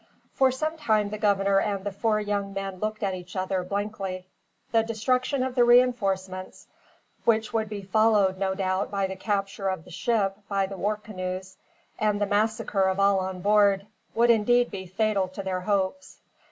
For some time the governor and the four young men looked at each other, blankly. The destruction of the reinforcements, which would be followed no doubt by the capture of the ship by the war canoes, and the massacre of all on board, would indeed be fatal to their hopes.